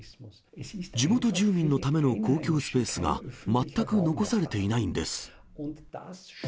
地元住民のための公共スペースが全く残されていないんです。